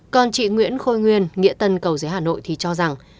còn chị nguyễn khôi nguyên nghĩa tân cầu giấy hà nội thì cho rằng